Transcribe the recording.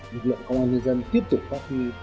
lực lượng công an nhân dân tiếp tục phát huy